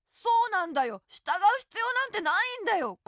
そうなんだよしたがうひつようなんてないんだよ。